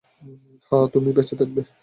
হ্যাঁ, তুমি বেঁচে থাকবে।